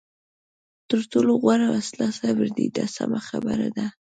تر ټولو غوره وسله صبر دی دا سمه خبره ده.